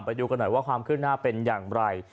ไปดูกันหน่อยว่าความขึ้นหน้าเป็นอย่างไร